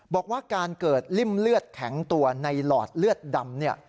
บอกว่าการเกิดริ่มเลือดแข็งตัวในหลอดเลือดดำ